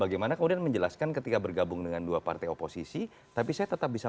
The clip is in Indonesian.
bagaimana kemudian menjelaskan ketika bergabung dengan dua partai oposisi tapi saya tetap bisa